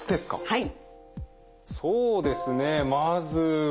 はい。